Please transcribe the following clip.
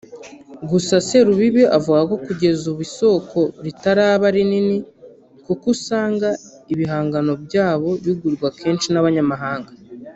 Gusa Serubibi avuga ko kugeza ubu isoko ritaraba rinini kuko usanga ibihangano byabo bigurwa kenshi n’abanyamahanga